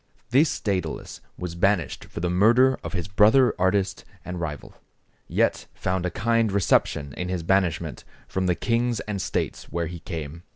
This Dædalus was banished for the murder of his brother artist and rival, yet found a kind reception in his banishment from the kings and states where he came.